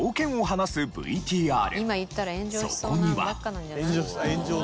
そこには。